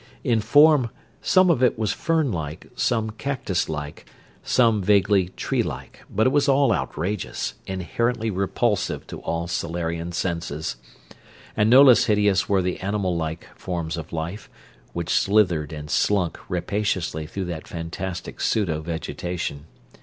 In form some of it was fern like, some cactus like, some vaguely tree like; but it was all outrageous, inherently repulsive to all Solarian senses. And no less hideous were the animal like forms of life, which slithered and slunk rapaciously through that fantastic pseudo vegetation.